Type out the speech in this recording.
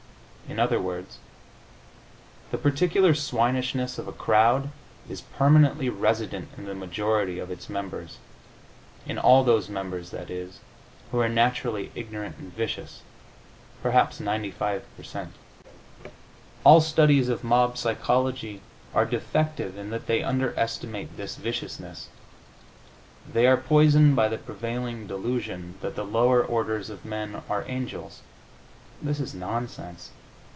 In other words, the particular swinishness of a crowd is permanently resident in the majority of its members in all those members, that is, who are naturally ignorant and vicious perhaps 95 per cent. All studies of mob psychology are defective in that they underestimate this viciousness. They are poisoned by the prevailing delusion that the lower orders of men are angels. This is nonsense.